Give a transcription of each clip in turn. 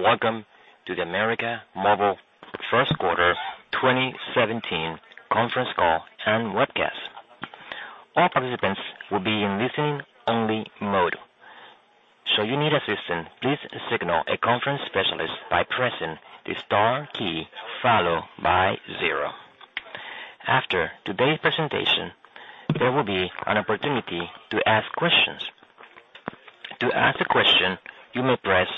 Welcome to the América Móvil first quarter 2017 conference call and webcast. All participants will be in listen-only mode. Should you need assistance, please signal a conference specialist by pressing the star key, followed by zero. After today's presentation, there will be an opportunity to ask questions. To ask a question, you may press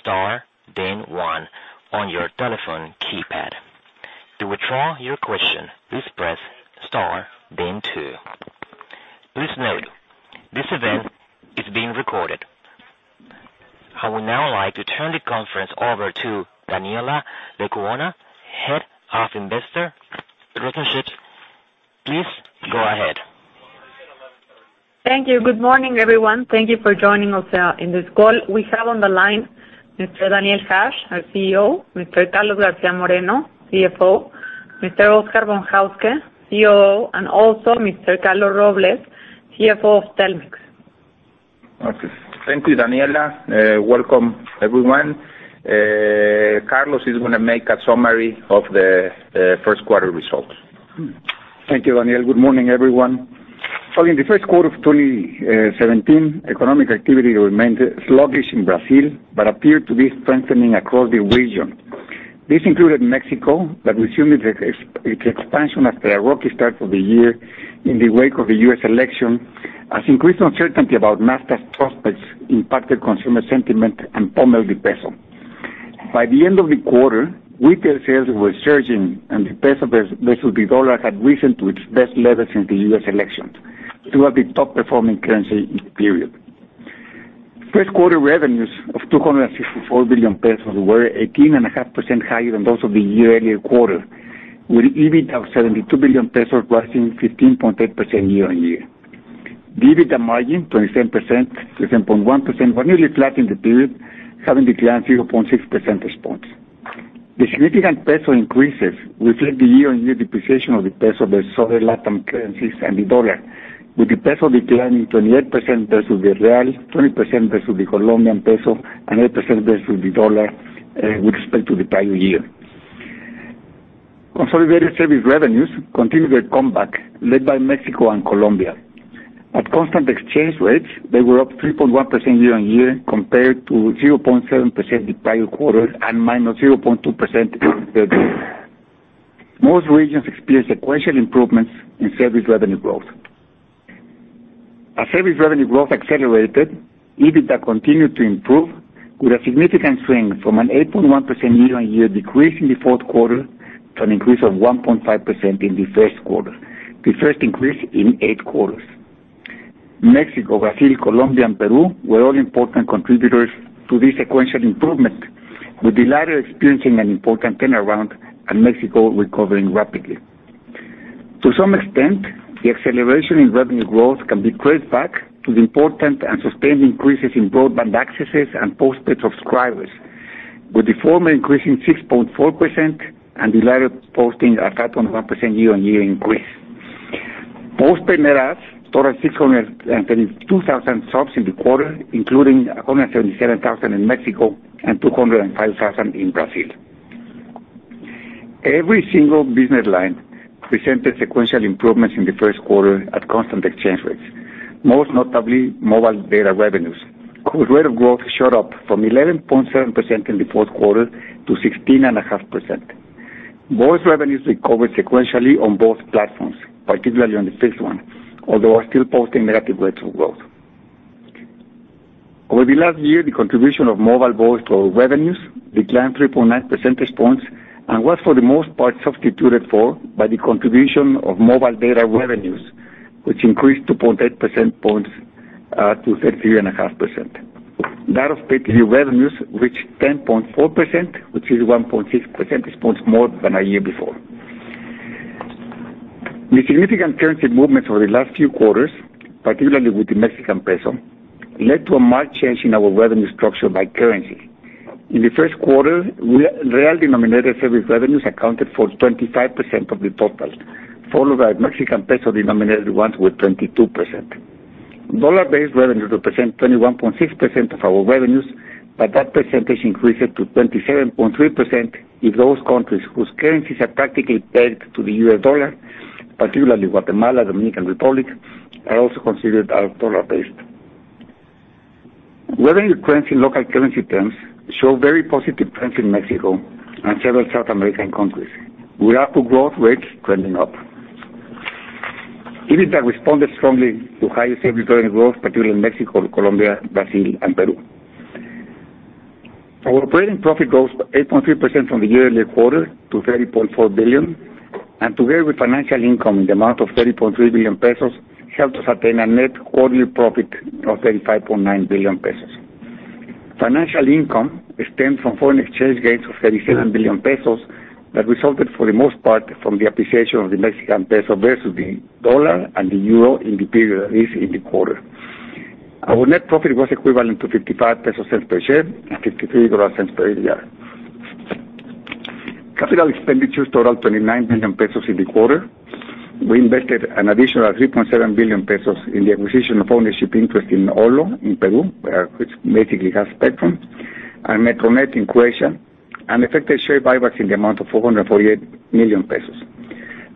star, then one on your telephone keypad. To withdraw your question, please press star, then two. Please note, this event is being recorded. I would now like to turn the conference over to Daniela Lecuona, Head of Investor Relations. Please go ahead. Thank you. Good morning, everyone. Thank you for joining us in this call. We have on the line Mr. Daniel Hajj, our CEO, Mr. Carlos García Moreno, CFO, Mr. Óscar Von Hauske, COO, and also Mr. Carlos Robles, CFO of Telmex. Thank you, Daniela. Welcome, everyone. Carlos is going to make a summary of the first quarter results. Thank you, Daniel. Good morning, everyone. In the first quarter of 2017, economic activity remained sluggish in Brazil, but appeared to be strengthening across the region. This included Mexico, that resumed its expansion after a rocky start for the year in the wake of the U.S. election, as increased uncertainty about NAFTA's prospects impacted consumer sentiment and pummeled the peso. By the end of the quarter, retail sales were surging and the peso versus the dollar had risen to its best level since the U.S. election to have the top-performing currency in the period. First quarter revenues of 264 billion pesos were 18.5% higher than those of the year-earlier quarter, with EBIT of 72 billion pesos, rising 15.8% year-on-year. The EBITDA margin, 27%, 27.1%, were nearly flat in the period, having declined 0.6 percentage points. The significant peso increases reflect the year-on-year depreciation of the peso versus other LatAm currencies and the US dollar, with the peso declining 28% versus the BRL, 20% versus the COP, and 8% versus the US dollar with respect to the prior year. Consolidated service revenues continue their comeback, led by Mexico and Colombia. At constant exchange rates, they were up 3.1% year-on-year, compared to 0.7% the prior quarter and -0.2% the previous. Most regions experienced sequential improvements in service revenue growth. As service revenue growth accelerated, EBITDA continued to improve with a significant swing from an 8.1% year-on-year decrease in the fourth quarter to an increase of 1.5% in the first quarter, the first increase in eight quarters. Mexico, Brazil, Colombia, and Peru were all important contributors to this sequential improvement, with the latter experiencing an important turnaround and Mexico recovering rapidly. To some extent, the acceleration in revenue growth can be traced back to the important and sustained increases in broadband accesses and postpaid subscribers, with the former increasing 6.4% and the latter posting a 5.1% year-on-year increase. Postpaid net adds totaled 632,000 subs in the quarter, including 177,000 in Mexico and 205,000 in Brazil. Every single business line presented sequential improvements in the first quarter at constant exchange rates, most notably mobile data revenues, whose rate of growth shot up from 11.7% in the fourth quarter to 16.5%. Voice revenues recovered sequentially on both platforms, particularly on the fixed one, although are still posting negative rates of growth. Over the last year, the contribution of mobile voice to our revenues declined 3.9 percentage points and was for the most part substituted for by the contribution of mobile data revenues, which increased 2.8 percentage points to 33.5%. Data revenues reached 10.4%, which is 1.6 percentage points more than a year before. The significant currency movements over the last few quarters, particularly with the Mexican peso, led to a marked change in our revenue structure by currency. In the first quarter, BRL denominated service revenues accounted for 25% of the total, followed by MXN denominated ones with 22%. Dollar-based revenues represent 21.6% of our revenues, but that percentage increases to 27.3% in those countries whose currencies are practically pegged to the US dollar. Particularly Guatemala, Dominican Republic, are also considered our dollar-based. Revenue trends in local currency terms show very positive trends in Mexico and several South American countries, with ARPU growth rates trending up. EBITDA responded strongly to higher service revenue growth, particularly in Mexico, Colombia, Brazil, and Peru. Our operating profit rose 8.3% from the year-earlier quarter to 30.4 billion, and together with financial income in the amount of 30.3 billion pesos, helped us attain a net quarterly profit of 35.9 billion pesos. Financial income stemmed from foreign exchange gains of 37 billion pesos that resulted for the most part from the appreciation of the Mexican peso versus the US dollar and the euro in the period, at least in the quarter. Our net profit was equivalent to 0.55 per share and $0.53 per ADR. Capital expenditures totaled 29 billion pesos in the quarter. We invested an additional 3.7 billion pesos in the acquisition of ownership interest in Olo in Peru, which basically has spectrum, and Metronet in Croatia, and effected share buybacks in the amount of 448 million pesos.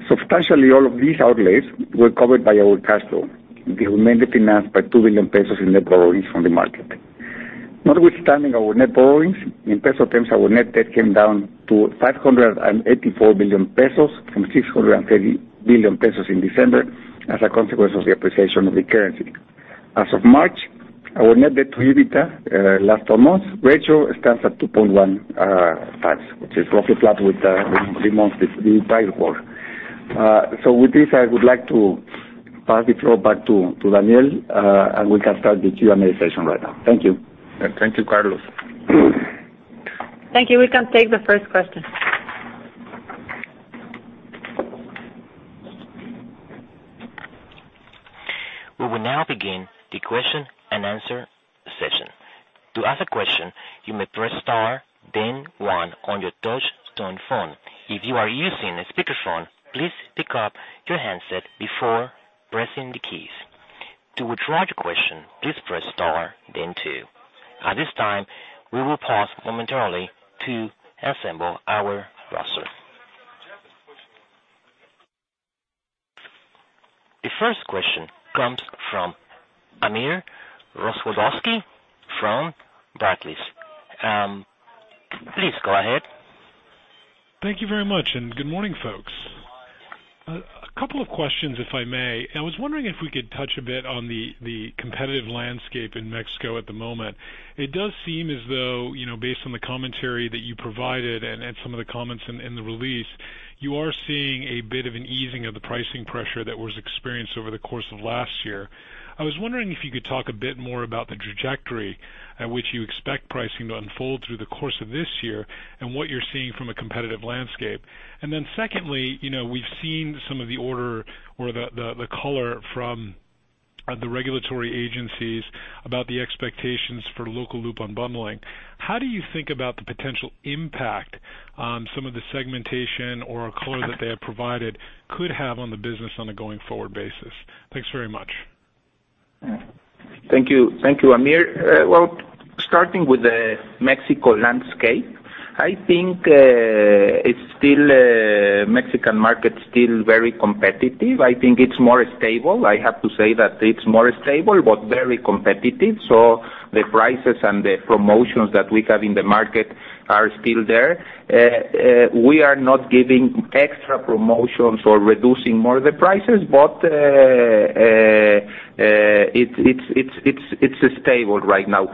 Substantially all of these outlays were covered by our cash flow, which was mainly financed by 2 billion pesos in net borrowings from the market. Notwithstanding our net borrowings, in peso terms, our net debt came down to 584 billion pesos from 630 billion pesos in December as a consequence of the appreciation of the currency. As of March, our net debt to EBITDA last 12 months ratio stands at 2.1 times, which is roughly flat with the entire quarter. With this, I would like to pass the floor back to Daniel, and we can start the Q&A session right now. Thank you. Thank you, Carlos. Thank you. We can take the first question. We will now begin the question and answer session. To ask a question, you may press star then one on your touchtone phone. If you are using a speakerphone, please pick up your handset before pressing the keys. To withdraw your question, please press star then two. At this time, we will pause momentarily to assemble our roster. The first question comes from Amir Rozwadowski from Barclays. Please go ahead. Thank you very much, and good morning, folks. A couple of questions, if I may. I was wondering if we could touch a bit on the competitive landscape in Mexico at the moment. It does seem as though, based on the commentary that you provided and some of the comments in the release, you are seeing a bit of an easing of the pricing pressure that was experienced over the course of last year. I was wondering if you could talk a bit more about the trajectory at which you expect pricing to unfold through the course of this year, and what you're seeing from a competitive landscape. Secondly, we've seen some of the order or the color from the regulatory agencies about the expectations for local loop unbundling. How do you think about the potential impact on some of the segmentation or color that they have provided could have on the business on a going forward basis? Thanks very much. Thank you, Amir. Starting with the Mexico landscape, I think Mexican market is still very competitive. I think it's more stable. I have to say that it's more stable, but very competitive. The prices and the promotions that we have in the market are still there. We are not giving extra promotions or reducing more the prices, but it's stable right now.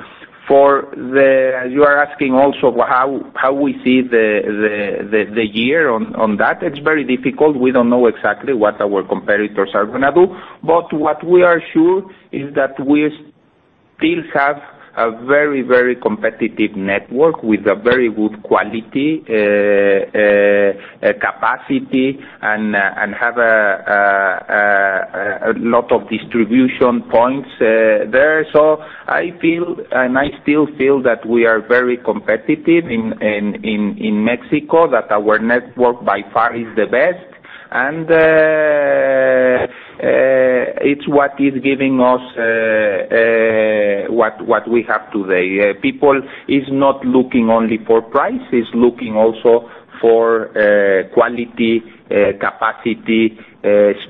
You are asking also how we see the year on that. It's very difficult. We don't know exactly what our competitors are going to do. What we are sure is that we still have a very competitive network with a very good quality, capacity and have a lot of distribution points there. I still feel that we are very competitive in Mexico, that our network by far is the best, and it's what is giving us what we have today. People is not looking only for price, is looking also for quality, capacity,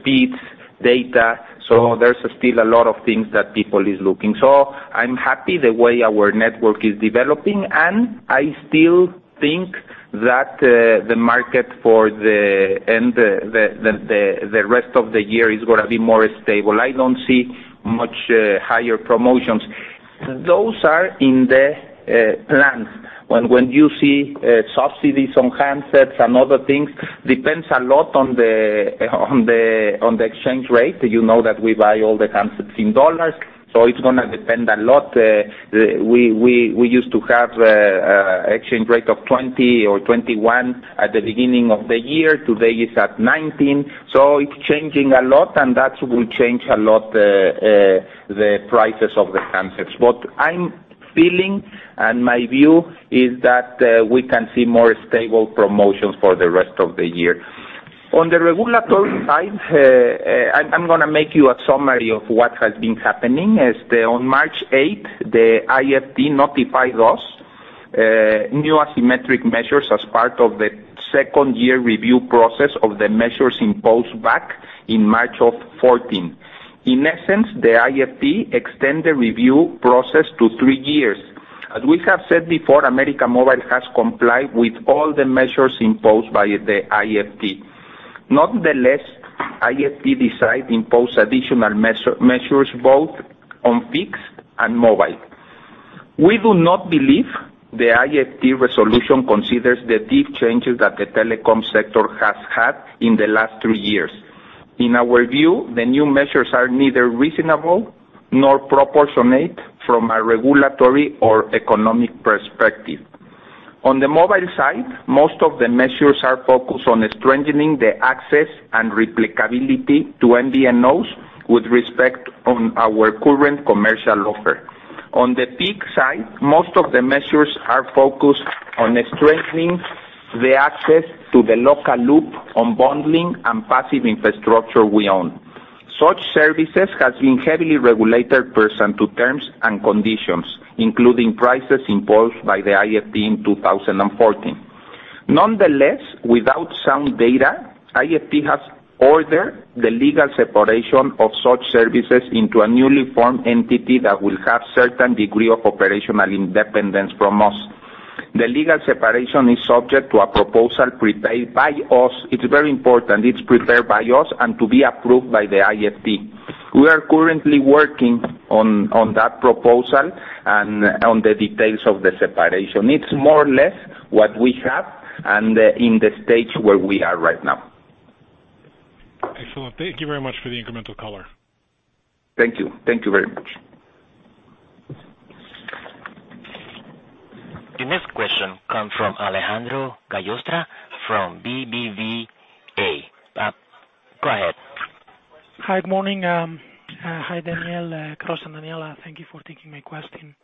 speeds, data. There's still a lot of things that people is looking. I'm happy the way our network is developing, and I still think that the market for the end, the rest of the year is going to be more stable. I don't see much higher promotions. Those are in the plans. When you see subsidies on handsets and other things, depends a lot on the exchange rate. You know that we buy all the handsets in dollars, so it's going to depend a lot. We used to have exchange rate of 20 or 21 at the beginning of the year. Today it's at 19. It's changing a lot, and that will change a lot the prices of the handsets. What I'm feeling and my view is that we can see more stable promotions for the rest of the year. On the regulatory side, I'm going to make you a summary of what has been happening. On March 8th, the IFT notified us new asymmetric measures as part of the second year review process of the measures imposed back in March of 2014. In essence, the IFT extended the review process to three years. As we have said before, América Móvil has complied with all the measures imposed by the IFT. Nonetheless, IFT decided impose additional measures both on fixed and mobile. We do not believe the IFT resolution considers the deep changes that the telecom sector has had in the last three years. In our view, the new measures are neither reasonable nor proportionate from a regulatory or economic perspective. On the mobile side, most of the measures are focused on strengthening the access and replicability to MVNOs with respect to our current commercial offer. On the fixed side, most of the measures are focused on strengthening the access to the local loop unbundling and passive infrastructure we own. Such services have been heavily regulated pursuant to terms and conditions, including prices imposed by the IFT in 2014. Nonetheless, without sound data, IFT has ordered the legal separation of such services into a newly formed entity that will have a certain degree of operational independence from us. The legal separation is subject to a proposal prepared by us. It's very important. It's prepared by us and to be approved by the IFT. We are currently working on that proposal and on the details of the separation. It's more or less what we have and in the stage where we are right now. Excellent. Thank you very much for the incremental color. Thank you. Thank you very much. The next question comes from Alejandro Gallostra of BBVA. Go ahead. Hi, good morning. Hi, Daniel, Carlos, and Daniela. Thank you for taking my question.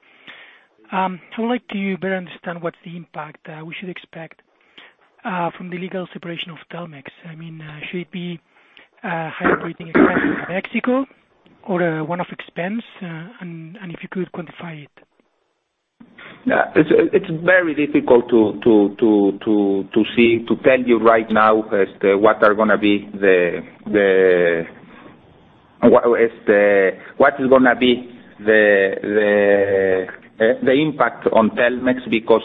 I would like to better understand what's the impact we should expect from the legal separation of Telmex. Should it be a high rating expense in Mexico or a one-off expense? If you could quantify it. It's very difficult to tell you right now what is going to be the impact on Telmex, because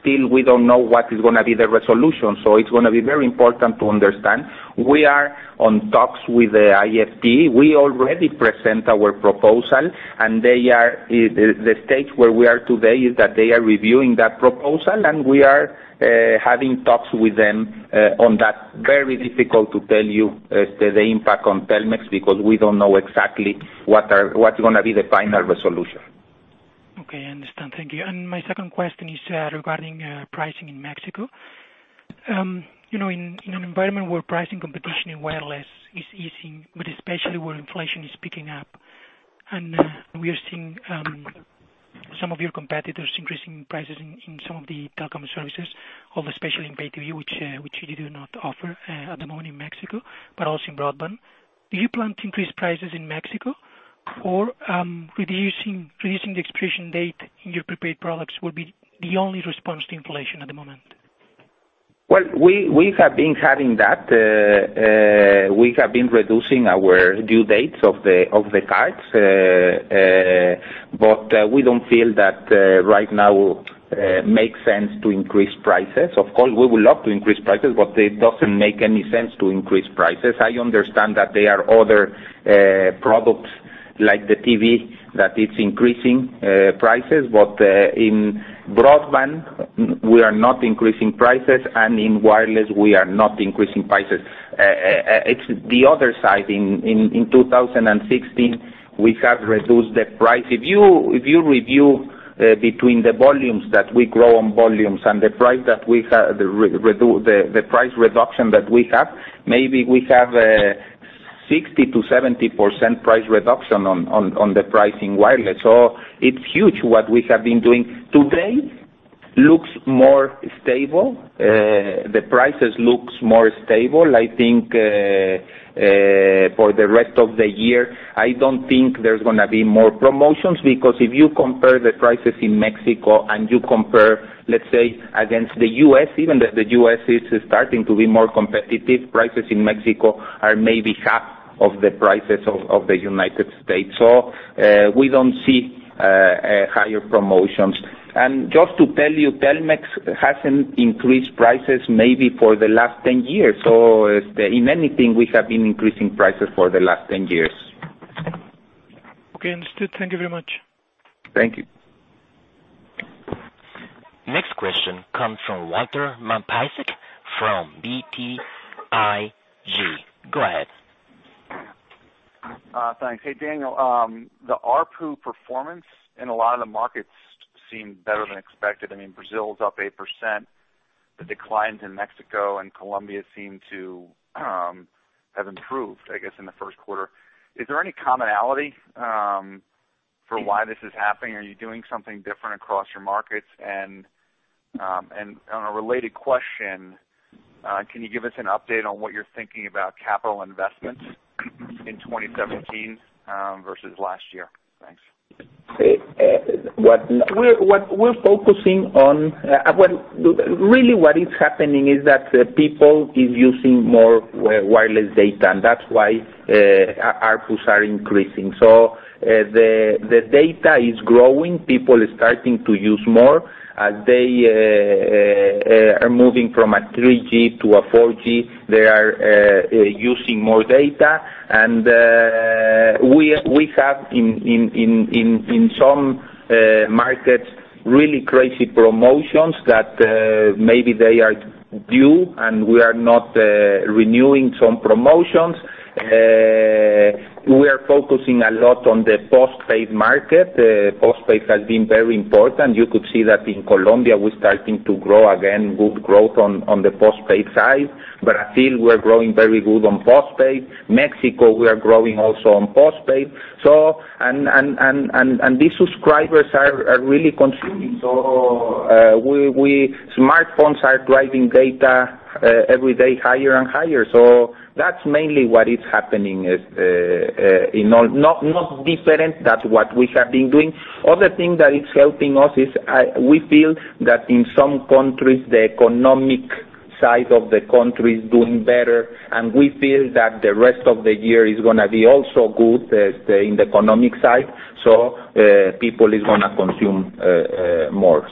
still we don't know what is going to be the resolution. It's going to be very important to understand. We are in talks with the IFT. We already presented our proposal, and the stage where we are today is that they are reviewing that proposal, and we are having talks with them on that. Very difficult to tell you the impact on Telmex because we don't know exactly what's going to be the final resolution. Okay, I understand. Thank you. My second question is regarding pricing in Mexico. In an environment where pricing competition in wireless is easing, but especially where inflation is picking up, we are seeing some of your competitors increasing prices in some of the telecom services, especially in pay TV, which you do not offer at the moment in Mexico, but also in broadband. Do you plan to increase prices in Mexico? Reducing the expiration date in your prepaid products will be the only response to inflation at the moment? Well, we have been having that. We have been reducing our due dates of the cards. We don't feel that right now it makes sense to increase prices. Of course, we would love to increase prices, it doesn't make any sense to increase prices. I understand that there are other products like TV that are increasing prices. In broadband, we are not increasing prices, in wireless, we are not increasing prices. It's the other side. In 2016, we have reduced the price. If you review between the volumes that we grow on volumes and the price reduction that we have, maybe we have a 60%-70% price reduction on the price in wireless. It's huge what we have been doing. Today, it looks more stable. The prices look more stable. I think for the rest of the year, I don't think there's going to be more promotions because if you compare the prices in Mexico and you compare, let's say, against the U.S., even though the U.S. is starting to be more competitive, prices in Mexico are maybe half of the prices of the United States. We don't see higher promotions. Just to tell you, Telmex hasn't increased prices maybe for the last 10 years. In anything, we have been increasing prices for the last 10 years. Okay, understood. Thank you very much. Thank you. Next question comes from Walter Piecyk from BTIG. Go ahead. Thanks. Hey, Daniel. The ARPU performance in a lot of the markets seem better than expected. Brazil is up 8%. The declines in Mexico and Colombia seem to have improved, I guess, in the first quarter. Is there any commonality for why this is happening? Are you doing something different across your markets? On a related question, can you give us an update on what you're thinking about capital investments in 2017 versus last year? Thanks. Really what is happening is that people are using more wireless data, and that's why ARPUs are increasing. The data is growing. People are starting to use more. As they are moving from a 3G to a 4G, they are using more data. We have, in some markets, really crazy promotions that maybe they are due, and we are not renewing some promotions. We are focusing a lot on the postpaid market. The postpaid has been very important. You could see that in Colombia, we're starting to grow again, good growth on the postpaid side. Brazil, we're growing very good on postpaid. Mexico, we are growing also on postpaid. These subscribers are really consuming. Smartphones are driving data every day higher and higher. That's mainly what is happening. Not different. That's what we have been doing. Other thing that is helping us is we feel that in some countries, the economic side of the country is doing better, we feel that the rest of the year is going to be also good in the economic side. People is going to consume more.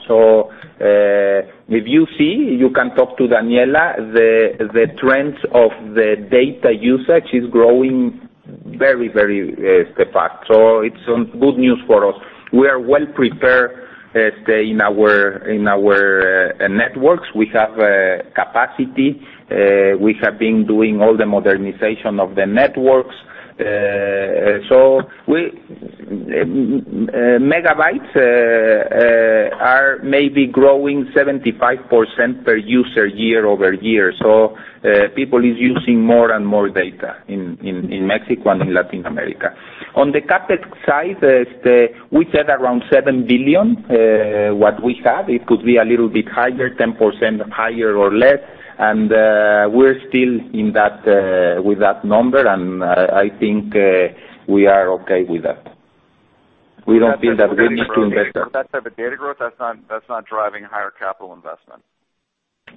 If you see, you can talk to Daniela, the trend of the data usage is growing very, very fast. It's good news for us. We are well prepared in our networks. We have capacity. We have been doing all the modernization of the networks. Megabytes are maybe growing 75% per user year-over-year. People is using more and more data in Mexico and in Latin America. On the CapEx side, we said around 7 billion, what we have. It could be a little bit higher, 10% higher or less, we're still with that number, I think we are okay with that. We don't feel that we need to invest that. With that type of data growth, that's not driving higher capital investment?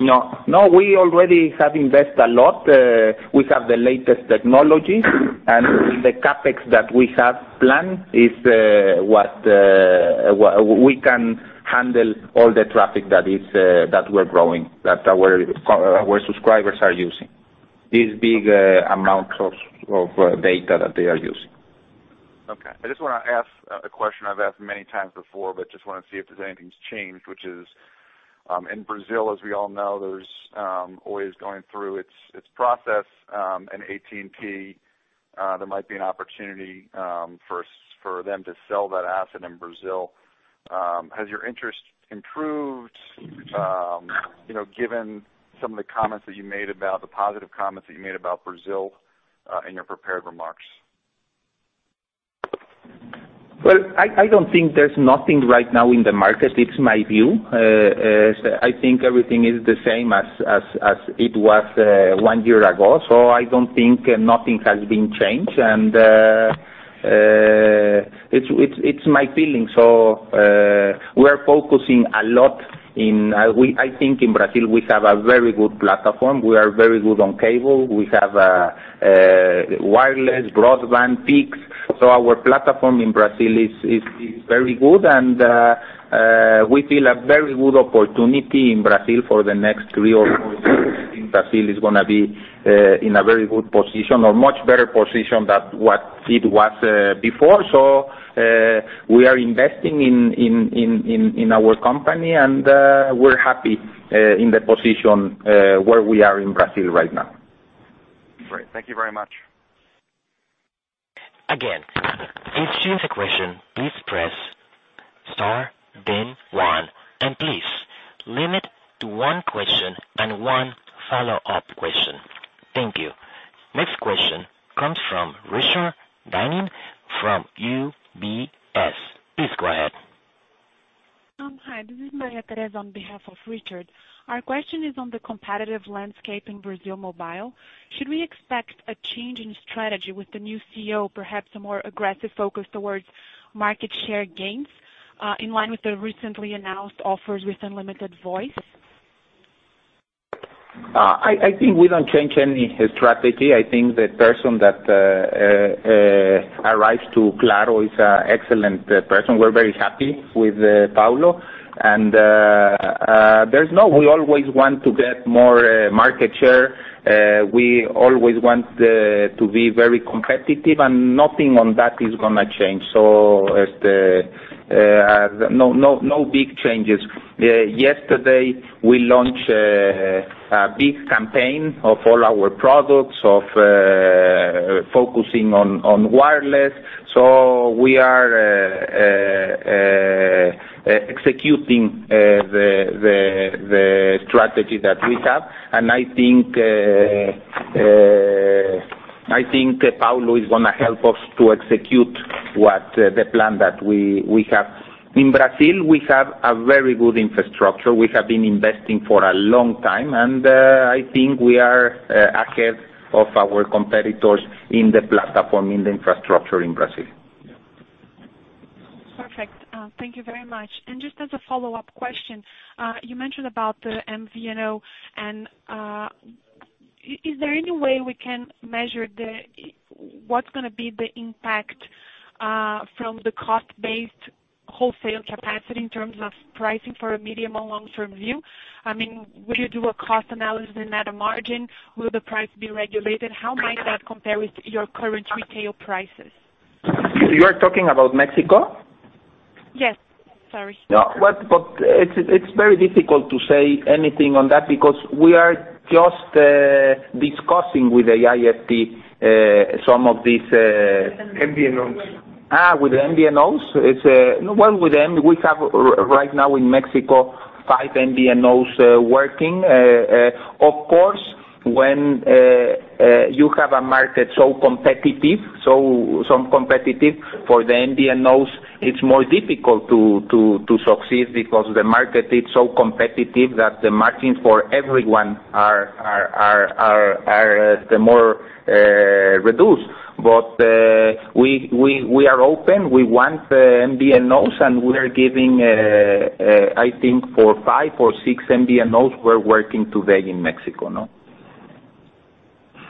No. We already have invest a lot. We have the latest technologies, in the CapEx that we have planned is we can handle all the traffic that we're growing, that our subscribers are using. These big amounts of data that they are using. Okay. I just want to ask a question I've asked many times before, but just want to see if there's anything's changed, which is, in Brazil, as we all know, there's Oi is going through its process, and AT&T, there might be an opportunity for them to sell that asset in Brazil. Has your interest improved, given some of the positive comments that you made about Brazil in your prepared remarks? Well, I don't think there's nothing right now in the market. It's my view. I think everything is the same as it was one year ago, so I don't think nothing has been changed, and it's my feeling. We're focusing a lot I think in Brazil, we have a very good platform. We are very good on cable. We have wireless, broadband, fixed. Our platform in Brazil is very good, and we feel a very good opportunity in Brazil for the next three or four years. I think Brazil is going to be in a very good position or much better position than what it was before. We are investing in our company, and we're happy in the position where we are in Brazil right now. Great. Thank you very much. Again, if you have a question, please press star then one, and please limit to one question and one follow-up question. Thank you. Next question comes from Richard Dineen from UBS. Please go ahead. Hi, this is Maria Teresa on behalf of Richard. Our question is on the competitive landscape in Brazil mobile. Should we expect a change in strategy with the new CEO, perhaps a more aggressive focus towards market share gains, in line with the recently announced offers with unlimited voice? I think we don't change any strategy. I think the person that arrives to Claro is an excellent person. We're very happy with Paulo. We always want to get more market share. We always want to be very competitive, and nothing on that is going to change. No big changes. Yesterday, we launched a big campaign of all our products, of focusing on wireless. We are executing the strategy that we have, and I think Paulo is going to help us to execute the plan that we have. In Brazil, we have a very good infrastructure. We have been investing for a long time, and I think we are ahead of our competitors in the platform, in the infrastructure in Brazil. Perfect. Thank you very much. Just as a follow-up question, you mentioned about the MVNO, and is there any way we can measure what's going to be the impact from the cost-based wholesale capacity in terms of pricing for a medium and long-term view? Will you do a cost analysis and net a margin? Will the price be regulated? How might that compare with your current retail prices? You are talking about Mexico? Yes. Sorry. No. It's very difficult to say anything on that because we are just discussing with the IFT some of these. MVNOs. With MVNOs? With them, we have right now in Mexico five MVNOs working. Of course, when you have a market so competitive for the MVNOs, it's more difficult to succeed because the market is so competitive that the margins for everyone are more reduced. We are open. We want the MVNOs, and we are giving, I think for five or six MVNOs we're working today in Mexico.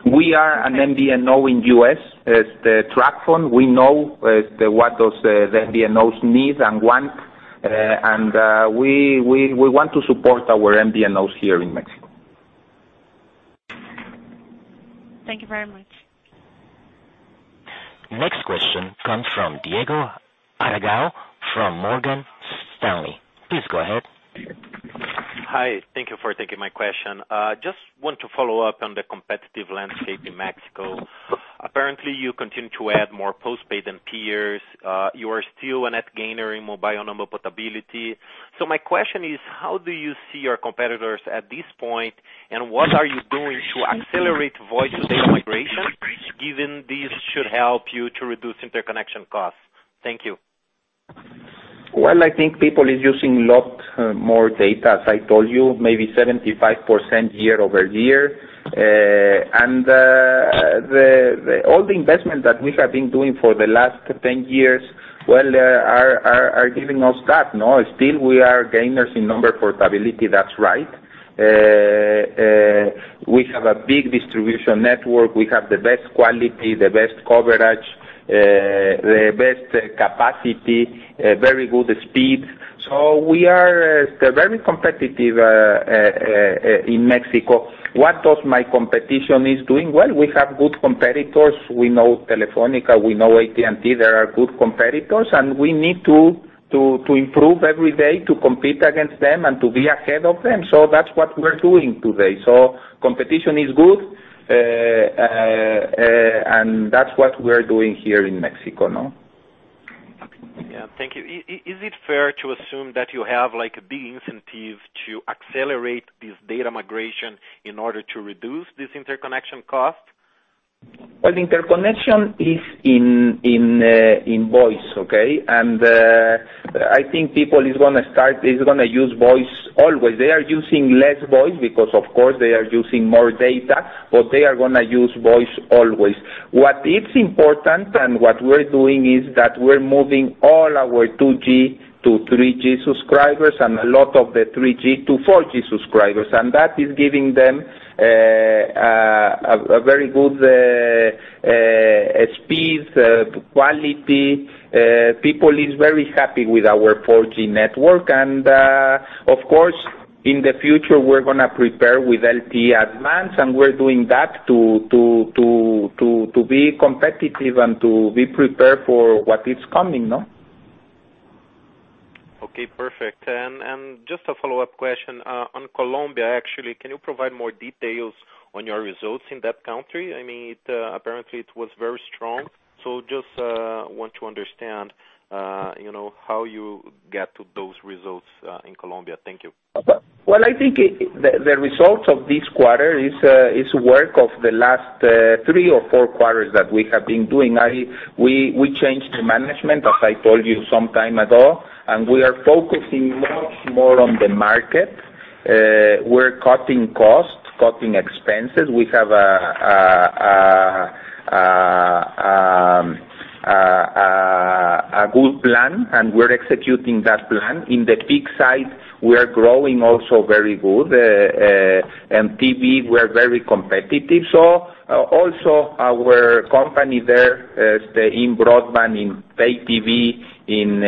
We are an MVNO in U.S., TracFone. We know what those MVNOs need and want. We want to support our MVNOs here in Mexico. Thank you very much. Next question comes from Diego Aragão from Morgan Stanley. Please go ahead. Hi. Thank you for taking my question. Just want to follow up on the competitive landscape in Mexico. Apparently, you continue to add more postpaid than peers. You are still a net gainer in mobile number portability. My question is, how do you see your competitors at this point, and what are you doing to accelerate voice data migration, given this should help you to reduce interconnection costs? Thank you. Well, I think people is using lot more data, as I told you, maybe 75% year-over-year. All the investment that we have been doing for the last 10 years, well, are giving us that. Still we are gainers in number portability, that's right. We have a big distribution network. We have the best quality, the best coverage, the best capacity, very good speed. We are very competitive in Mexico. What is my competition doing? Well, we have good competitors. We know Telefónica, we know AT&T. They are our good competitors, and we need to improve every day to compete against them and to be ahead of them, that's what we're doing today. Competition is good, and that's what we're doing here in Mexico. Yeah. Thank you. Is it fair to assume that you have big incentive to accelerate this data migration in order to reduce this interconnection cost? Well, interconnection is in voice, okay? I think people is going to use voice always. They are using less voice because, of course, they are using more data, they are going to use voice always. What is important and what we're doing is that we're moving all our 2G to 3G subscribers and a lot of the 3G to 4G subscribers, and that is giving them a very good speed, quality. People is very happy with our 4G network, of course, in the future, we're going to prepare with LTE Advanced, and we're doing that to be competitive and to be prepared for what is coming. Okay, perfect. Just a follow-up question. On Colombia, actually, can you provide more details on your results in that country? Apparently it was very strong. Just want to understand how you get to those results in Colombia. Thank you. Well, I think the results of this quarter is work of the last three or four quarters that we have been doing. We changed the management, as I told you some time ago, we are focusing much more on the market. We're cutting costs, cutting expenses. We have a good plan, we're executing that plan. In the fixed side, we are growing also very good. In TV, we are very competitive. Also our company there in broadband, in pay TV, in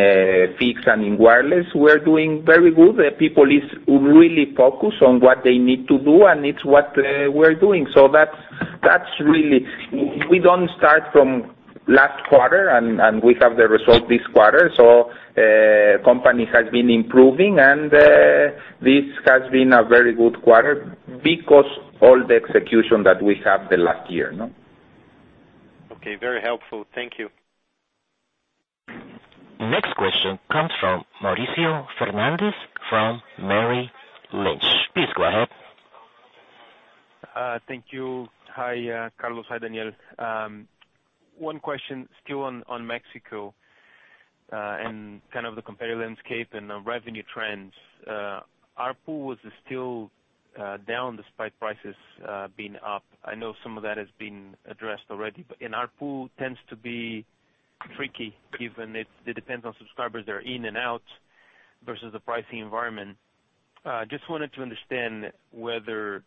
fixed and in wireless, we are doing very good. The people is really focused on what they need to do, it's what we're doing. We don't start from last quarter, we have the result this quarter. Company has been improving, this has been a very good quarter because all the execution that we have the last year. Okay. Very helpful. Thank you. Next question comes from Mauricio Fernandes from Merrill Lynch. Please go ahead. Thank you. Hi, Carlos. Hi, Daniel. One question still on Mexico and kind of the competitive landscape and the revenue trends. ARPU was still down despite prices being up. I know some of that has been addressed already, but ARPU tends to be tricky given it depends on subscribers that are in and out versus the pricing environment. Wanted to understand whether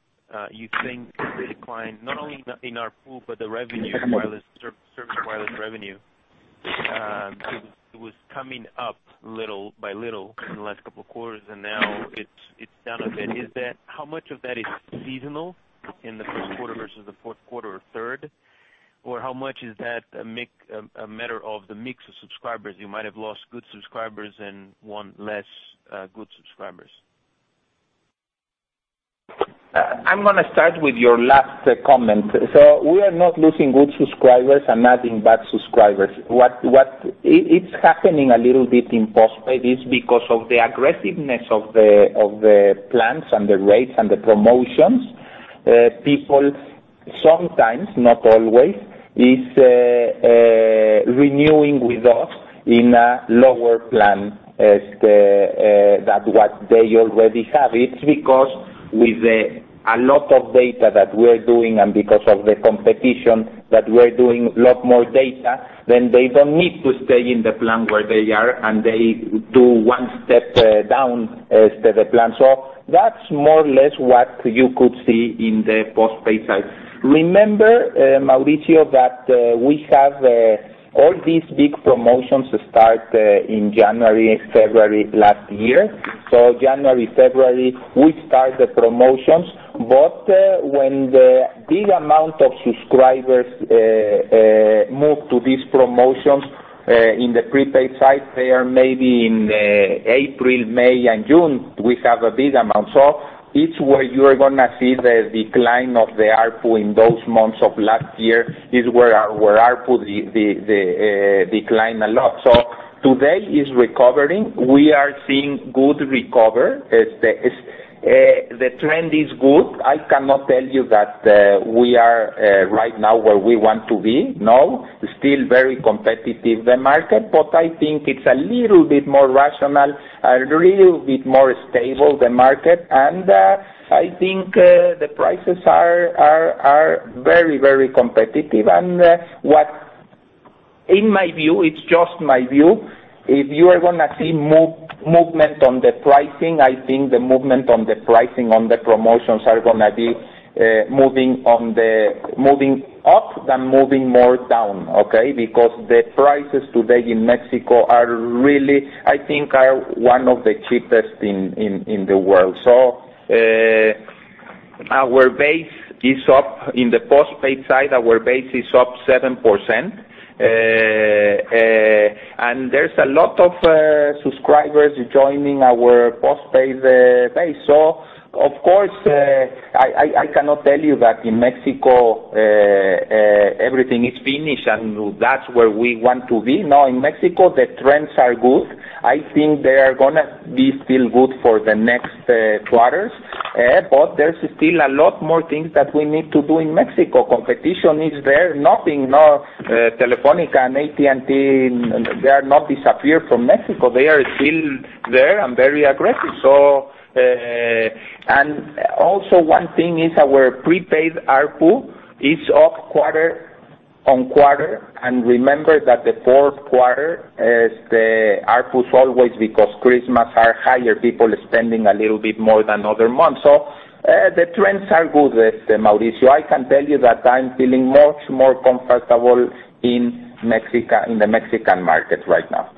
you think the decline, not only in our pool, but the service wireless revenue, it was coming up little by little in the last couple of quarters, and now it's down a bit. How much of that is seasonal in the first quarter versus the fourth quarter or third? How much is that a matter of the mix of subscribers? You might have lost good subscribers and won less good subscribers. I'm going to start with your last comment. We are not losing good subscribers and adding bad subscribers. What is happening a little bit in postpaid is because of the aggressiveness of the plans and the rates and the promotions, people sometimes, not always, are renewing with us in a lower plan than what they already have. It's because with a lot of data that we're doing, and because of the competition, that we're doing a lot more data, then they don't need to stay in the plan where they are, and they do one step down the plan. That's more or less what you could see in the postpaid side. Remember, Mauricio, that we have all these big promotions start in January, February last year. January, February, we start the promotions. When the big amount of subscribers move to these promotions in the prepaid side, they are maybe in April, May, and June, we have a big amount. It's where you're going to see the decline of the ARPU in those months of last year, is where ARPU declined a lot. Today is recovering. We are seeing good recovery. The trend is good. I cannot tell you that we are right now where we want to be. No, still very competitive, the market. I think it's a little bit more rational, a little bit more stable, the market, and I think the prices are very competitive, and what in my view, it's just my view, if you are going to see movement on the pricing, I think the movement on the pricing on the promotions are going to be moving up than moving more down. The prices today in Mexico I think are one of the cheapest in the world. Our base is up in the postpaid side, our base is up 7%, and there's a lot of subscribers joining our postpaid base. Of course, I cannot tell you that in Mexico everything is finished and that's where we want to be. No, in Mexico, the trends are good. I think they are going to be still good for the next quarters. There's still a lot more things that we need to do in Mexico. Competition is there. Nothing, no Telefónica and AT&T, they are not disappear from Mexico. They are still there and very aggressive. Also one thing is our prepaid ARPU is up quarter on quarter. Remember that the fourth quarter, the ARPUs always because Christmas are higher, people are spending a little bit more than other months. The trends are good, Mauricio. I can tell you that I'm feeling much more comfortable in the Mexican market right now.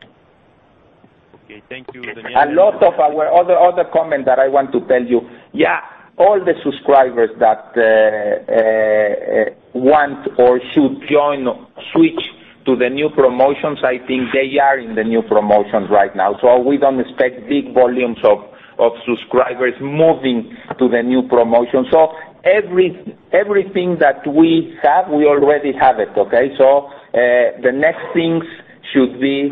Okay. Thank you, Daniel. A lot of our other comment that I want to tell you. Yeah, all the subscribers that want or should join, switch to the new promotions, I think they are in the new promotions right now. We don't expect big volumes of subscribers moving to the new promotion. Everything that we have, we already have it, okay? The next things should be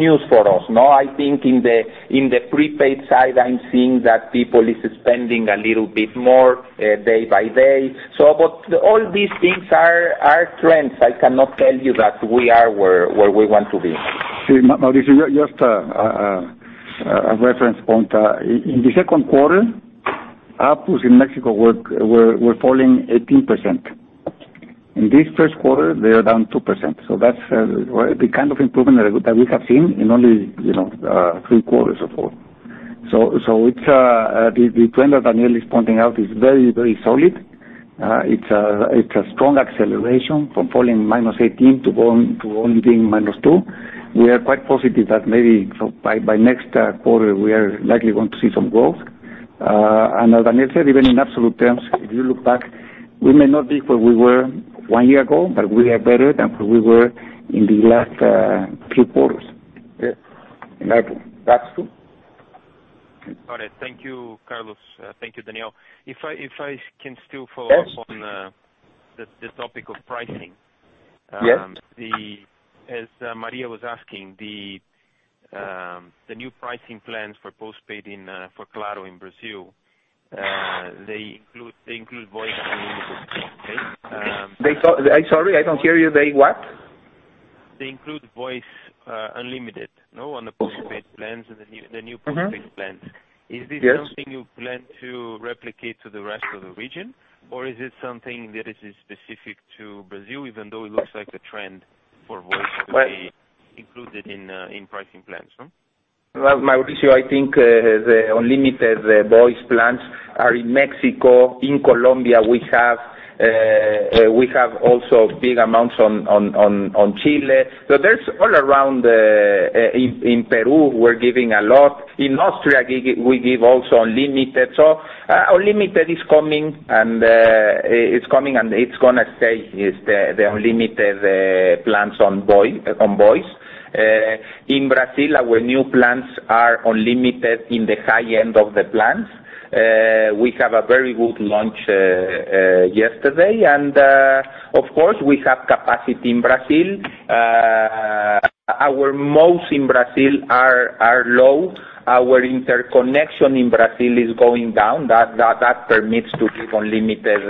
good news for us. No, I think in the prepaid side, I'm seeing that people is spending a little bit more day by day. All these things are trends. I cannot tell you that we are where we want to be. Mauricio, just a reference point. In the second quarter, ARPUs in Mexico were falling 18%. In this first quarter, they are down 2%. That's the kind of improvement that we have seen in only three quarters or four. The trend that Daniel is pointing out is very solid. It's a strong acceleration from falling minus 18 to only being minus two. We are quite positive that maybe by next quarter, we are likely going to see some growth. As Daniel said, even in absolute terms, if you look back, we may not be where we were one year ago, but we are better than where we were in the last few quarters. Yeah. In ARPU. That's true. All right. Thank you, Carlos. Thank you, Daniel. If I can still follow up on the topic of pricing. Yes. As Maria was asking, the new pricing plans for postpaid for Claro in Brazil, they include voice unlimited, okay? Sorry, I don't hear you. They what? They include voice unlimited on the postpaid plans and the new postpaid plans. Yes. Is this something you plan to replicate to the rest of the region? Is it something that is specific to Brazil, even though it looks like a trend for voice to be included in pricing plans? Mauricio, I think the unlimited voice plans are in Mexico. In Colombia, we have also big amounts on Chile. There's all around. In Peru, we're giving a lot. In Austria, we give also unlimited. Unlimited is coming, and it's going to stay, the unlimited plans on voice. In Brazil, our new plans are unlimited in the high end of the plans. We have a very good launch yesterday. Of course, we have capacity in Brazil. Our MOUs in Brazil are low. Our interconnection in Brazil is going down. That permits to give unlimited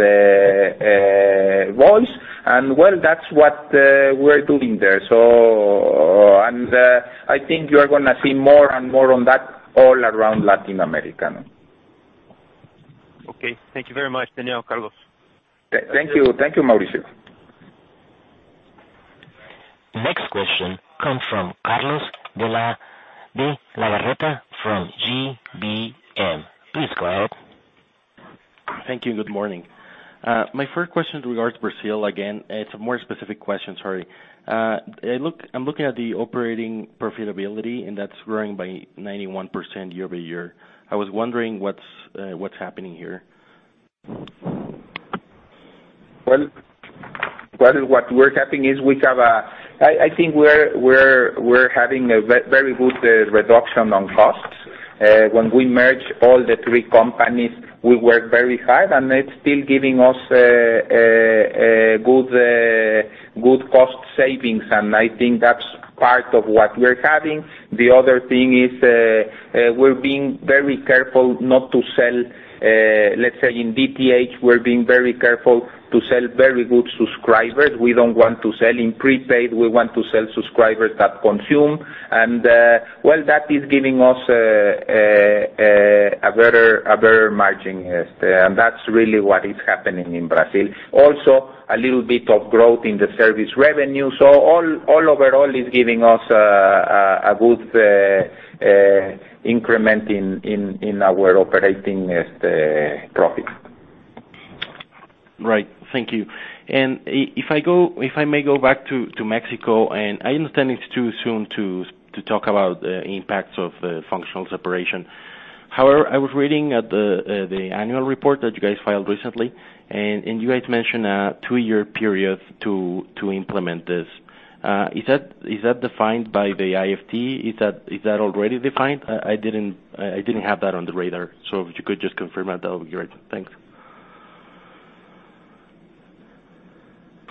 voice and, well, that's what we're doing there. I think you are going to see more and more on that all around Latin America. Okay. Thank you very much, Daniel, Carlos. Thank you, Mauricio. Next question comes from Carlos de Legarreta from GBM. Please go ahead. Thank you. Good morning. My first question with regards to Brazil again, it's a more specific question, sorry. I'm looking at the operating profitability, that's growing by 91% year-over-year. I was wondering what's happening here? Well, what we're having is, I think we're having a very good reduction on costs. When we merge all the three companies, we work very hard, it's still giving us good cost savings, I think that's part of what we're having. The other thing is, we're being very careful not to sell, let's say in DTH, we're being very careful to sell very good subscribers. We don't want to sell in prepaid. We want to sell subscribers that consume. Well, that is giving us a better margin. That's really what is happening in Brazil. Also, a little bit of growth in the service revenue. All overall is giving us a good increment in our operating profit. Right. Thank you. If I may go back to Mexico, I understand it's too soon to talk about the impacts of the functional separation. However, I was reading the annual report that you guys filed recently, you guys mentioned a two-year period to implement this. Is that defined by the IFT? Is that already defined? I didn't have that on the radar. If you could just confirm that would be great.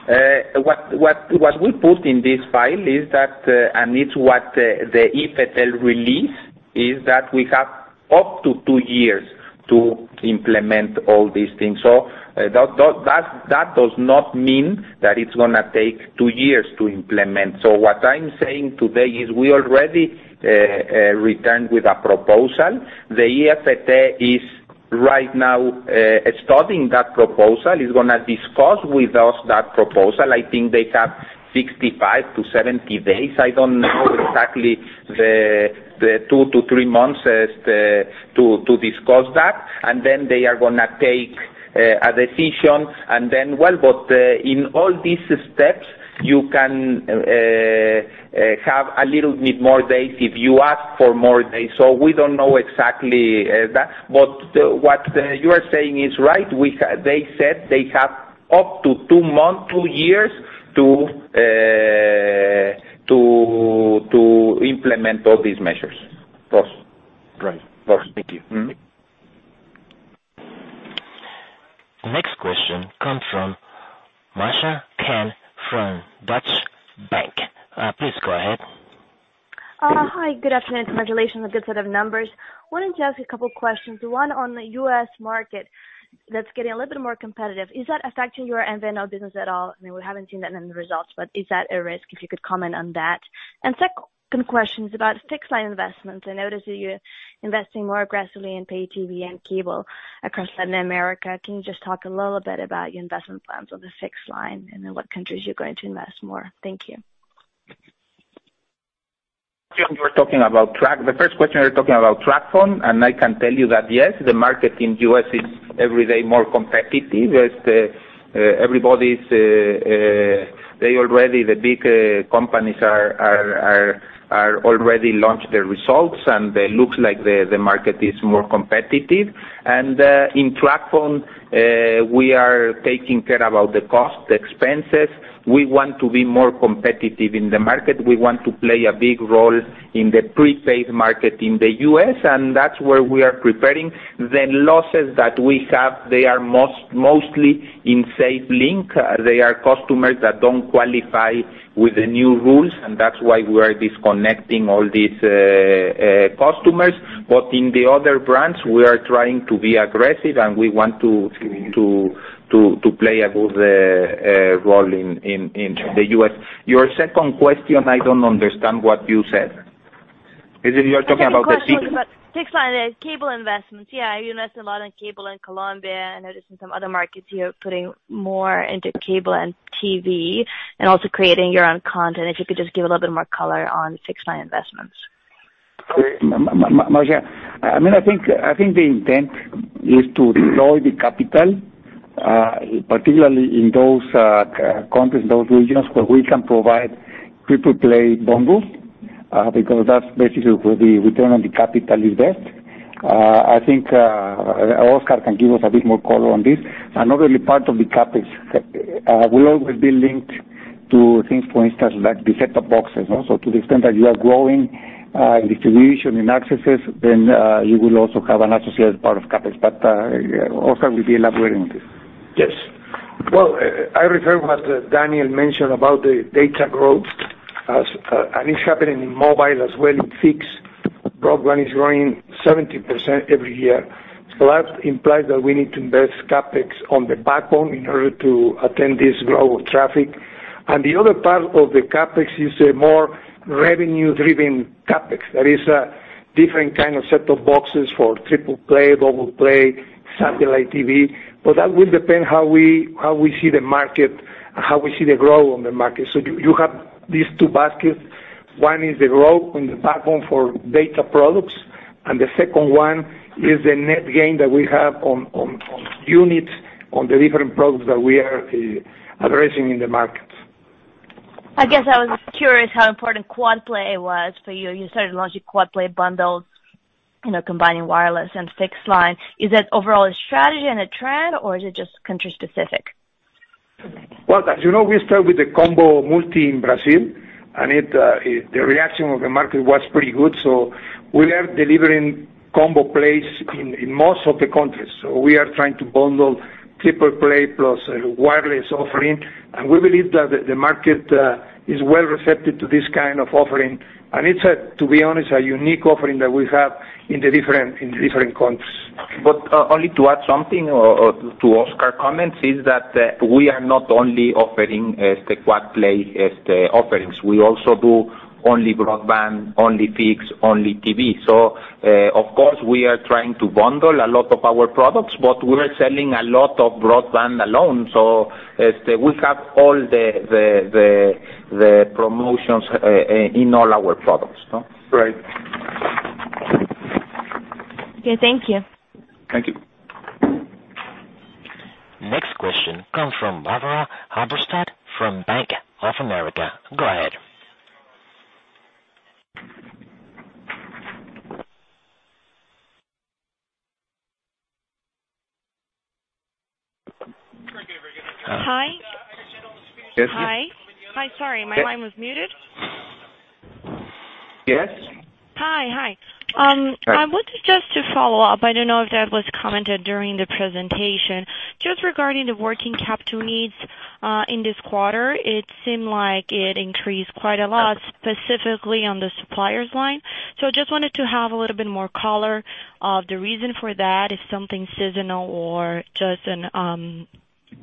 Thanks. What we put in this file, it's what the IFT released, is that we have up to two years to implement all these things. That does not mean that it's going to take two years to implement. What I'm saying today is we already returned with a proposal. The IFT is right now studying that proposal. It's going to discuss with us that proposal. I think they have 65 to 70 days. I don't know exactly the two to three months to discuss that. Then they are going to take a decision, then, well, in all these steps, you can have a little bit more days if you ask for more days. We don't know exactly that. What you are saying is right. They said they have up to two years to implement all these measures. Right. Thank you. The next question comes from Masha Kahn from Deutsche Bank. Please go ahead. Hi, good afternoon. Congratulations on a good set of numbers. Wanted to ask a couple of questions. One on the U.S. market that's getting a little bit more competitive. Is that affecting your MVNO business at all? I mean, we haven't seen that in the results, but is that a risk? If you could comment on that. Second question is about fixed line investments. I noticed that you're investing more aggressively in pay TV and cable across Latin America. Can you just talk a little bit about your investment plans on the fixed line and in what countries you're going to invest more? Thank you. The first question, you're talking about TracFone. I can tell you that yes, the market in U.S. is every day more competitive as everybody's, the big companies are already launched their results, and it looks like the market is more competitive. In TracFone, we are taking care about the cost, the expenses. We want to be more competitive in the market. We want to play a big role in the prepaid market in the U.S., and that's where we are preparing. The losses that we have, they are mostly in SafeLink. They are customers that don't qualify with the new rules, and that's why we are disconnecting all these customers. In the other brands, we are trying to be aggressive, and we want to play a good role in the U.S. Your second question, I don't understand what you said. You're talking about the fixed- Second question is about fixed-line and cable investments. Yeah, you invest a lot in cable in Colombia and I noticed in some other markets, you're putting more into cable and TV and also creating your own content. If you could just give a little bit more color on fixed-line investments. Masha, I think the intent is to deploy the capital, particularly in those countries, those regions where we can provide triple-play bundles, because that's basically where the return on the capital is best. I think Óscar can give us a bit more color on this. Another part of the CapEx will always be linked to things, for instance, like the set-top boxes. To the extent that you are growing in distribution, in accesses, then you will also have an associated part of CapEx. Óscar will be elaborating on this. Yes. Well, I refer to what Daniel mentioned about the data growth, and it's happening in mobile as well, in fixed. Broadband is growing 70% every year. That implies that we need to invest CapEx on the backbone in order to attend this global traffic. The other part of the CapEx is a more revenue-driven CapEx. That is a different kind of set-top boxes for triple-play, double-play, satellite TV. That will depend how we see the market and how we see the growth on the market. You have these two baskets. One is the growth on the backbone for data products, and the second one is the net gain that we have on units on the different products that we are addressing in the market. I guess I was curious how important quad play was for you. You started launching quad play bundles combining wireless and fixed-line. Is that overall a strategy and a trend, or is it just country specific? Well, as you know, we started with the Combo Multi in Brazil. The reaction of the market was pretty good. We are delivering combo plays in most of the countries. We are trying to bundle triple-play plus a wireless offering, and we believe that the market is well receptive to this kind of offering. It's, to be honest, a unique offering that we have in the different countries. Only to add something to Óscar's comments is that we are not only offering the quad play offerings. We also do only broadband, only fixed, only TV. Of course, we are trying to bundle a lot of our products, but we are selling a lot of broadband alone. We have all the promotions in all our products. Right. Okay. Thank you. Thank you. Next question comes from Barbara Halberstadt from Bank of America. Go ahead. Hi? Yes. Hi, sorry, my line was muted. Yes. Hi. I wanted just to follow up, I don't know if that was commented during the presentation. Just regarding the working capital needs, in this quarter, it seemed like it increased quite a lot, specifically on the suppliers line. Just wanted to have a little bit more color of the reason for that, if something seasonal or not. Thank you. Thank you, Barbara. The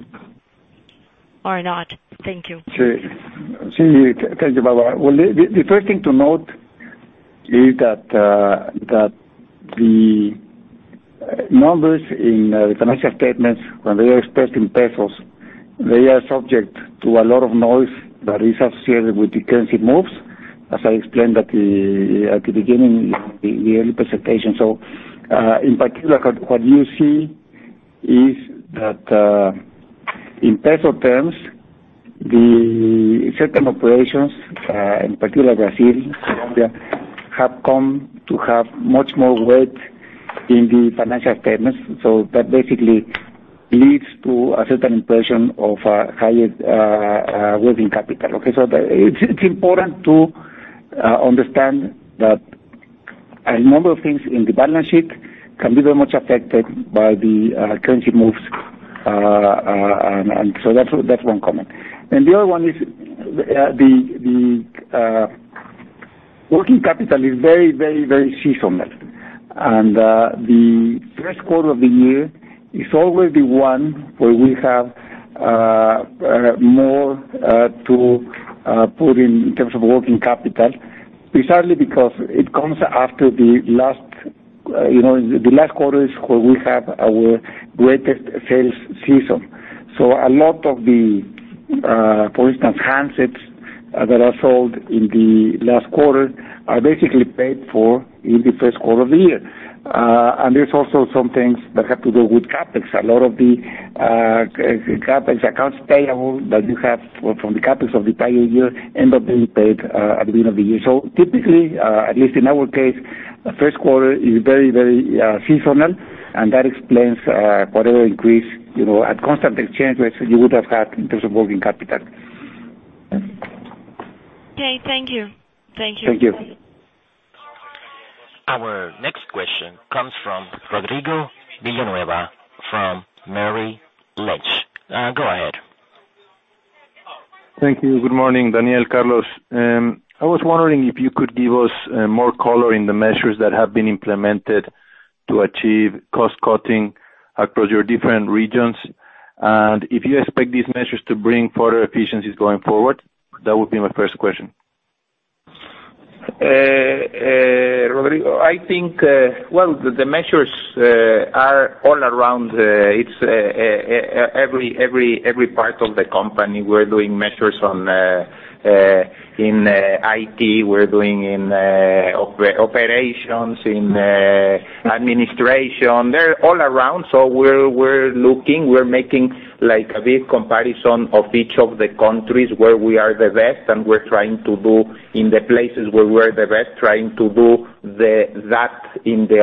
first thing to note is that the numbers in the financial statements, when they are expressed in MXN, they are subject to a lot of noise that is associated with the currency moves, as I explained at the beginning of the yearly presentation. In particular, what you see is that, in MXN terms, the certain operations, in particular Brazil, Colombia, have come to have much more weight in the financial statements. That basically leads to a certain impression of a higher working capital. It's important to understand that a number of things in the balance sheet can be very much affected by the currency moves. That's one comment. The other one is the working capital is very seasonal. The first quarter of the year is always the one where we have more to put in terms of working capital, precisely because it comes after the last quarters where we have our greatest sales season. A lot of the, for instance, handsets that are sold in the last quarter are basically paid for in the first quarter of the year. There's also some things that have to do with CapEx. A lot of the CapEx accounts payable that you have from the CapEx of the entire year end up being paid at the end of the year. Typically, at least in our case, first quarter is very seasonal, and that explains whatever increase at constant exchange rates you would have had in terms of working capital. Thank you. Thank you. Our next question comes from Rodrigo Villanueva from Merrill Lynch. Go ahead. Thank you. Good morning, Daniel, Carlos. I was wondering if you could give us more color in the measures that have been implemented to achieve cost cutting across your different regions, and if you expect these measures to bring further efficiencies going forward? That would be my first question. Rodrigo, I think the measures are all around. It's every part of the company. We're doing measures in IT, we're doing in operations, in administration. They're all around. We're looking, we're making a big comparison of each of the countries where we are the best, and we're trying to do in the places where we're the best, trying to do that in the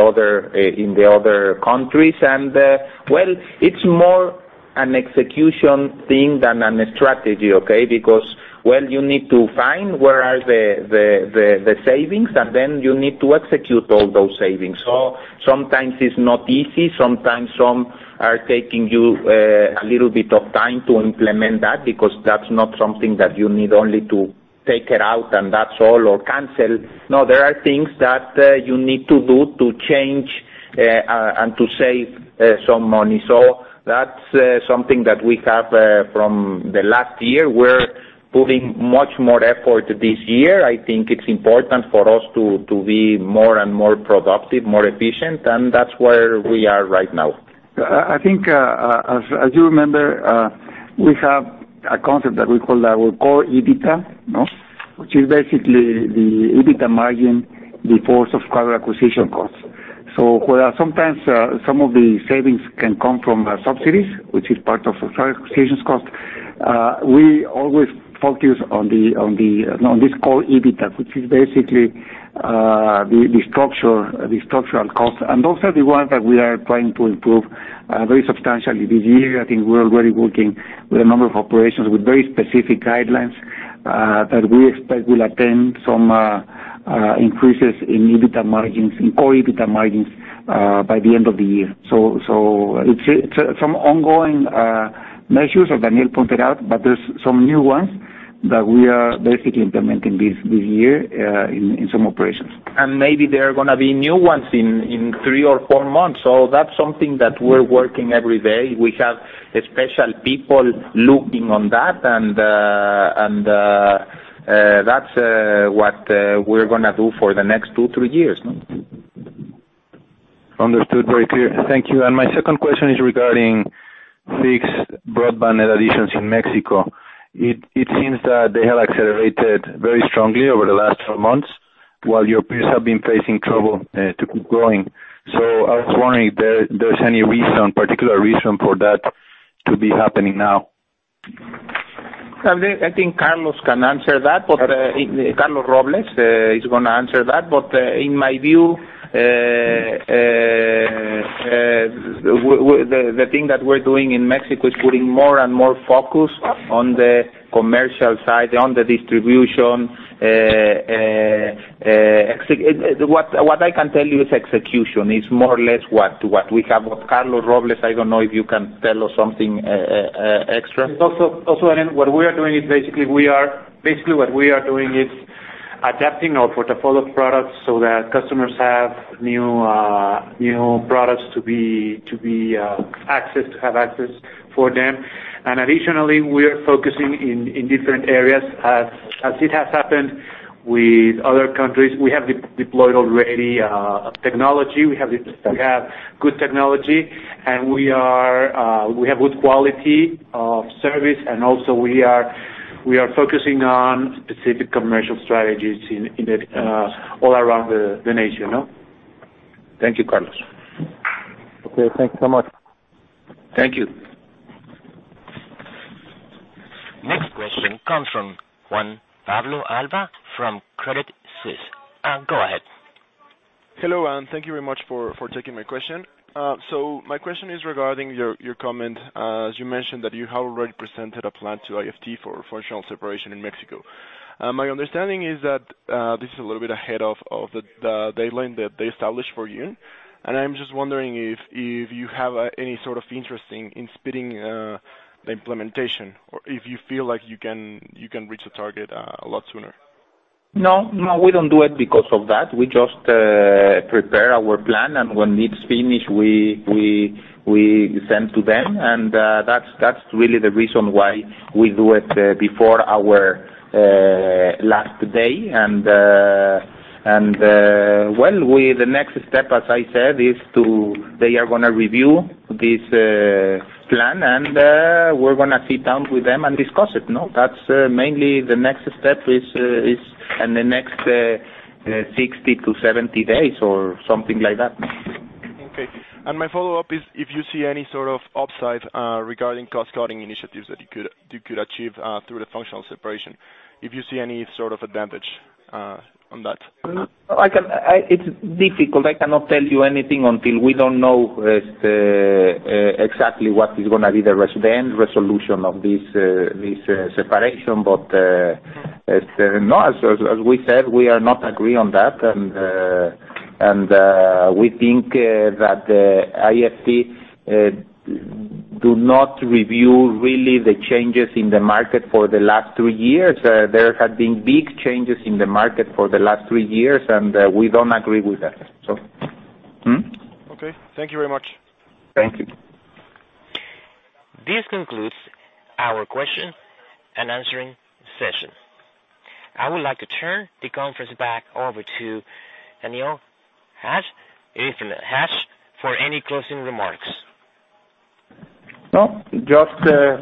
other countries. Well, it's more an execution thing than a strategy, okay? Well, you need to find where are the savings, and then you need to execute all those savings. Sometimes it's not easy. Sometimes some are taking you a little bit of time to implement that because that's not something that you need only to take it out and that's all, or cancel. No, there are things that you need to do to change and to save some money. That's something that we have from the last year. We're putting much more effort this year. I think it's important for us to be more and more productive, more efficient, and that's where we are right now. I think, as you remember, we have a concept that we call our core EBITDA. Which is basically the EBITDA margin before subscriber acquisition costs. Where sometimes some of the savings can come from subsidies, which is part of subscriber acquisitions cost, we always focus on this core EBITDA, which is basically the structural cost. Those are the ones that we are trying to improve very substantially this year. I think we're already working with a number of operations with very specific guidelines, that we expect will attend some increases in core EBITDA margins by the end of the year. It's some ongoing measures that Daniel pointed out, but there's some new ones that we are basically implementing this year in some operations. Maybe there are going to be new ones in three or four months. That's something that we're working every day. We have special people looking on that, and that's what we're going to do for the next two, three years. Understood very clear. Thank you. My second question is regarding fixed broadband net additions in Mexico. It seems that they have accelerated very strongly over the last 12 months while your peers have been facing trouble to keep growing. I was wondering if there's any particular reason for that to be happening now? I think Carlos can answer that. Carlos Robles is going to answer that. In my view, the thing that we're doing in Mexico is putting more and more focus on the commercial side, on the distribution. What I can tell you, it's execution. It's more or less what we have. Carlos Robles, I don't know if you can tell us something extra. What we are doing is basically adapting our portfolio of products so that customers have new products to have access for them. Additionally, we are focusing in different areas. As it has happened with other countries, we have deployed already technology. We have good technology, and we have good quality of service, and also we are focusing on specific commercial strategies all around the nation. Thank you, Carlos. Okay, thanks so much. Thank you. Next question comes from Juan Pablo Alva from Credit Suisse. Go ahead. Hello, thank you very much for taking my question. My question is regarding your comment, as you mentioned, that you have already presented a plan to IFT for functional separation in Mexico. My understanding is that this is a little bit ahead of the deadline that they established for you. I'm just wondering if you have any sort of interest in speeding the implementation, or if you feel like you can reach the target a lot sooner. No, we don't do it because of that. We just prepare our plan, when it's finished, we send to them. That's really the reason why we do it before our last day. Well, the next step, as I said, is they are going to review this plan, we're going to sit down with them and discuss it, no? That's mainly the next step is in the next 60-70 days or something like that. Okay. My follow-up is if you see any sort of upside regarding cost-cutting initiatives that you could achieve through the functional separation, if you see any sort of advantage on that. It's difficult. I cannot tell you anything until we don't know exactly what is going to be the end resolution of this separation. No, as we said, we are not agree on that. We think that IFT do not review really the changes in the market for the last three years. There have been big changes in the market for the last three years, we don't agree with that. Thank you very much. Thank you. This concludes our question and answering session. I would like to turn the conference back over to Daniel Hajj for any closing remarks. No. Just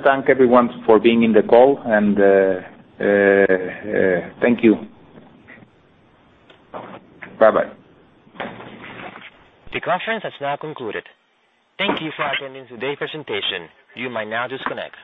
thank everyone for being in the call and thank you. Bye-bye. The conference has now concluded. Thank you for attending today's presentation. You might now disconnect.